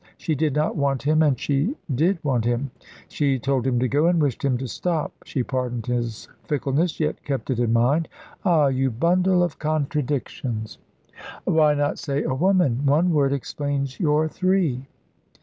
She did not want him, and she did want him; she told him to go, and wished him to stop; she pardoned his fickleness, yet kept it in mind. "Ah, you bundle of contradictions!" "Why not say a woman? One word explains your three."